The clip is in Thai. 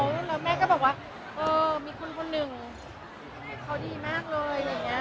หรือบอกว่ามีคุณคนหนึ่งเขาดีมากเลย